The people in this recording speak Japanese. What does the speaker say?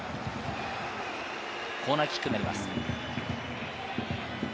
コーナーキックになります。